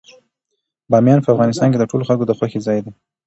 بامیان په افغانستان کې د ټولو خلکو د خوښې ځای دی.